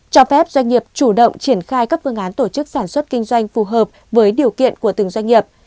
cho phép doanh nghiệp chủ động triển khai các phương án tổ chức sản xuất kinh doanh phù hợp với điều kiện của từng doanh nghiệp